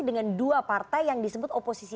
dengan dua partai yang disebut oposisi